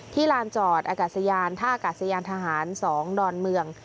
ที่ลานจอดท่าอากาศยานทหาร๒ดอนเมือง